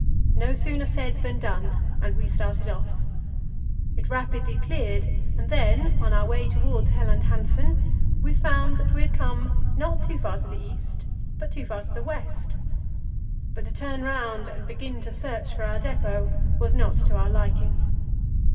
No sooner said than done, and we started off. It rapidly cleared, and then, on our way towards Helland Hansen, we found out that we had come, not too far to the east, but too far to the west. But to turn round and begin to search for our depot was not to our liking.